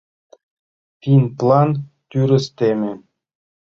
Финплан тӱрыс теме.